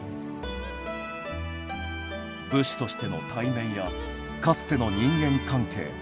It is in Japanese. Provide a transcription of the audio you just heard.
武士としての体面やかつての人間関係。